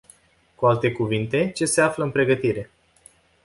Cu alte cuvinte, ce se află în pregătire?